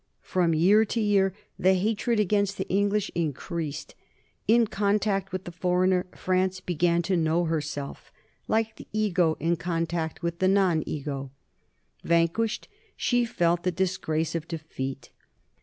From year to year the hatred against the English increased. In con tact with the foreigner France began to know herself, like the ego in contact with the non ego. Vanquished she felt the disgrace of defeat.